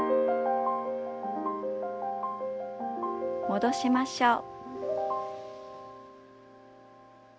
戻しましょう。